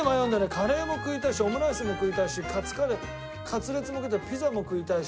カレーも食いたいしオムライスも食いたいしカツカレーカツレツも食いたいピザも食いたいし。